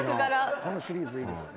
このシリーズいいですね。